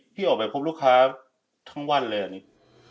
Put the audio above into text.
ออกไปพบลูกค้าทั้งวันเลยอันนี้